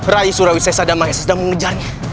raden surawisai sadamahes sedang mengejarnya